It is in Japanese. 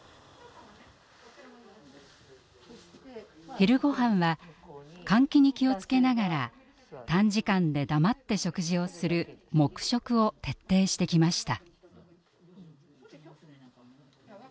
昼ごはんは換気に気を付けながら短時間で黙って食事をする「黙食」を徹底してきました。